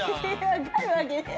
分かるわけねえ